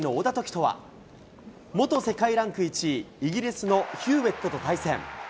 人は、元世界ランク１位、イギリスのヒューウェットと対戦。